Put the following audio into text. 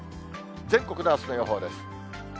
全国のあすの予報です。